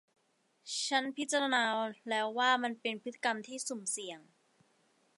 ฉันพิจารณาแล้วว่ามันเป็นพฤติกรรมที่สุ่มเสี่ยง